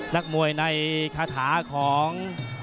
นักมวยในคาถาของ